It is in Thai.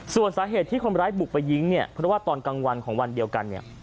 ส่วนสาเหตุที่คนร้ายบุกไปยิงเนี่ยเพราะว่าตอนกลางวันของวันเดียวกันเนี่ย